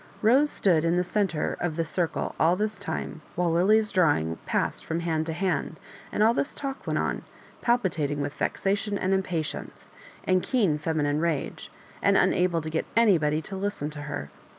Rose stood in the centre of the circle all this time, while Willie's drawing passed from hand to hand and all this talk went on, palpitating with vexation and impatience, and keen feminine rage, and unable to get anybody to listen to her.